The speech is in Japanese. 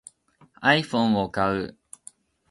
iPhone を買う